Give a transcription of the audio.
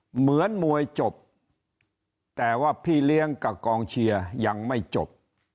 เหมือนมวยจบแต่ว่าพี่เลี้ยงกับกองเชียร์ยังไม่จบ